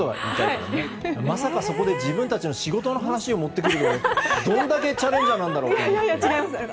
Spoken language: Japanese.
まさかそこで自分たちの仕事の話を持ってくるってどれだけチャレンジャーなんだろうって。